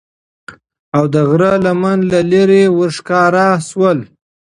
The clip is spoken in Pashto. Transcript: او د غره لمن له لیری ورښکاره سول